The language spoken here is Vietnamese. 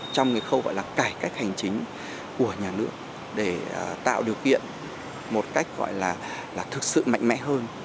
trong cái khâu gọi là cải cách hành chính của nhà nước để tạo điều kiện một cách gọi là thực sự mạnh mẽ hơn